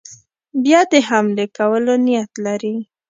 بیا د حملې کولو نیت لري.